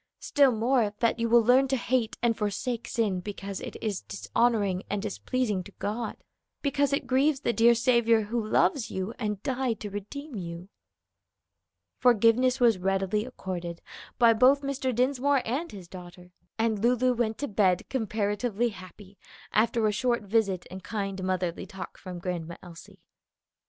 Still more, that you will learn to hate and forsake sin because it is dishonoring and displeasing to God, because it grieves the dear Saviour who loves you and died to redeem you." Forgiveness was readily accorded by both Mr. Dinsmore and his daughter, and Lulu went to bed comparatively happy after a short visit and kind motherly talk from Grandma Elsie.